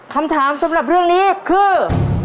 คำถามสำหรับเรื่องนี้คือ